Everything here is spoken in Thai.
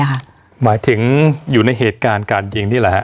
หมายถึงอยู่ในเหตุการณ์การยิงนี่แหละฮะ